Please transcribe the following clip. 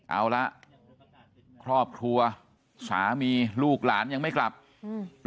เอาละครอบครัวสามีลูกหลานยังไม่กลับอืม